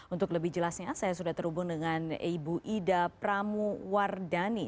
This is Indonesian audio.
untuk lebih jelasnya saya sudah terhubung dengan ibu ida pramuwardani